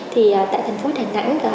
thì tại thành phố hà nẵng